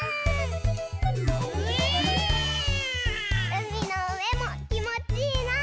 うみのうえもきもちいいな。